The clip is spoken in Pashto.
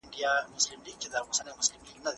د بل چا د نظریو درناوی کول زموږ دنده ده.